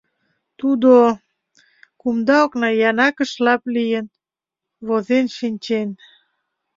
Тудо, кумда окна янакыш лап лийын, возен шинчен.